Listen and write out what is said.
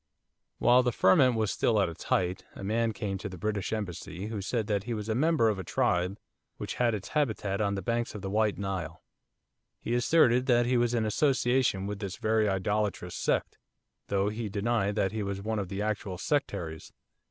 While the ferment was still at its height, a man came to the British Embassy who said that he was a member of a tribe which had its habitat on the banks of the White Nile. He asserted that he was in association with this very idolatrous sect, though he denied that he was one of the actual sectaries.